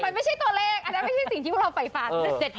มันไม่ใช่ตัวเลขอันนั้นไม่ใช่สิ่งที่พวกเราฝ่ายฝัน